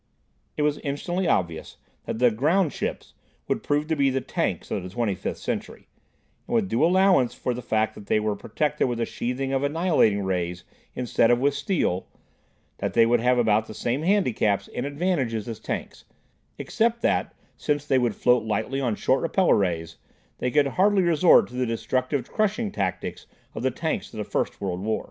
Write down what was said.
It was instantly obvious that the "ground ships" would prove to be the "tanks" of the Twenty fifth Century, and with due allowance for the fact that they were protected with a sheathing of annihilating rays instead of with steel, that they would have about the same handicaps and advantages as tanks, except that since they would float lightly on short repeller rays, they could hardly resort to the destructive crushing tactics of the tanks of the First World War.